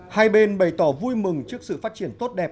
hai bên bày tỏ vui mừng trước sự phát triển tốt đẹp